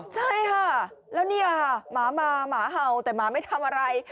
ใช่ค่ะแล้วเนี่ยหมามาหมาเห่าแต่หมาไม่ทำอะไร